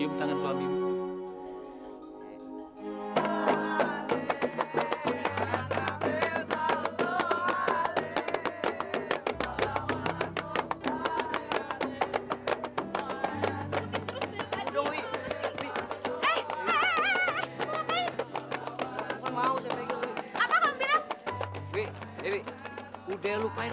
mas fadir balik